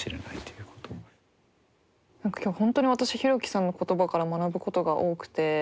何か今日本当に私ヒロキさんの言葉から学ぶことが多くて。